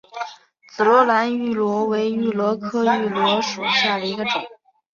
紫萝兰芋螺为芋螺科芋螺属下的一个种。